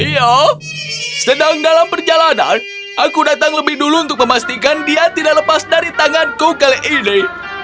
iya sedang dalam perjalanan aku datang lebih dulu untuk memastikan dia tidak lepas dari tanganku kali ini